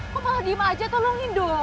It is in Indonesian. kok malah diem aja tolongin dong